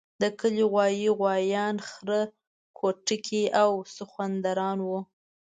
د کلي غواوې، غوایان، خره کوټکي او سخوندران وو.